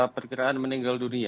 perkiraan meninggal dunia